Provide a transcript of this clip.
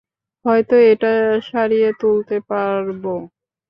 হয়তো এটা সারিয়ে তুলতে পারব।